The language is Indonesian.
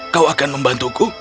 kau akan membantuku